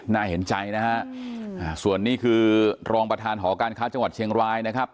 น่าเห็นใจนะฮะส่วนนี้คือรองประธานหอการค้าจังหวัดเชียงรายนะครับ